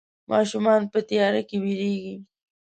ماشومان په تياره کې ويرېږي.